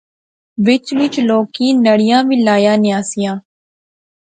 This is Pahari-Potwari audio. وچ وچ لوکیں نڑیاں وی لایاں نیاں سیاں